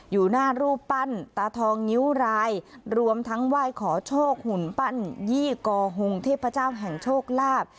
อยู่หน้ารูปปั้นตาทองงิ้วรายรวมทั้งไหว้ขอโชคหุ่นปั้นยี่กอหงเทพเจ้าแห่งโชคลาภ